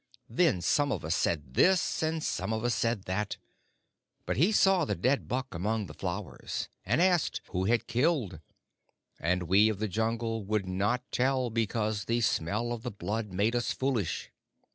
Then some of us said this and some of us said that, but he saw the dead buck among the flowers, and asked who had killed, and we of the Jungle would not tell because the smell of the blood made us foolish.